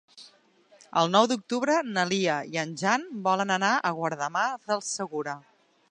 El nou d'octubre na Lia i en Jan volen anar a Guardamar del Segura.